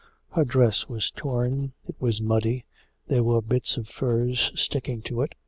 Her dress was torn, it was muddy, there were bits of furze sticking to it.